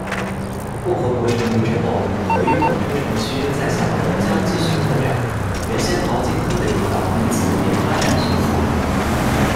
共和国成立之后，由于广州城区再向东郊继续扩展，原先淘金坑的地方因此也发展迅速。